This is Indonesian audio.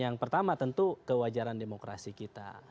yang pertama tentu kewajaran demokrasi kita